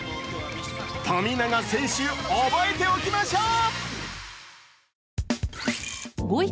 富永選手、覚えておきましょう！